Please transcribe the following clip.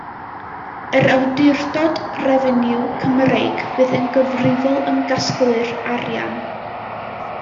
Yr Awdurdod Refeniw Cymreig fydd yn gyfrifol am gasglu'r arian.